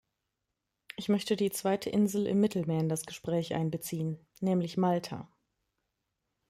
Ich möchte die zweite Insel im Mittelmeer in das Gespräch einbeziehen, nämlich Malta.